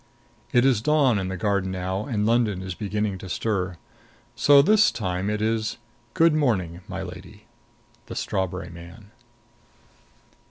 It is dawn in the garden now and London is beginning to stir. So this time it is good morning, my lady. THE STRAWBERRY MAN.